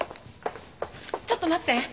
ちょっと待って！